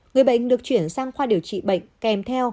người bệnh được chuyển sang khoa điều trị bệnh kèm theo